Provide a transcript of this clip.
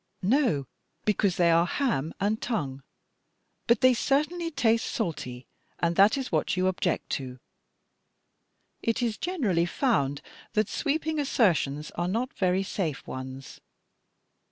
"No, because they are ham and tongue. But they certainly taste salty, and that is what you object to. It is generally found that sweeping assertions are not very safe ones.